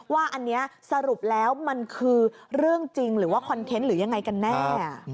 ว่าอันนี้สรุปแล้วมันคือเรื่องจริงหรือว่าคอนเทนต์หรือยังไงกันแน่